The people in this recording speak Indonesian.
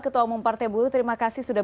ketua umum partai buruh terima kasih sudah